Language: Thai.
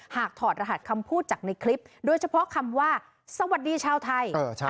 ถอดรหัสคำพูดจากในคลิปโดยเฉพาะคำว่าสวัสดีชาวไทย